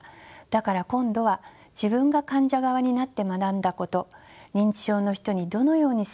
だから今度は自分が患者側になって学んだこと認知症の人にどのように接したらよいか。